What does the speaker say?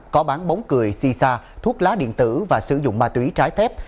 có bán bóng cười xì xa thuốc lá điện tử và sử dụng ma túy trái thép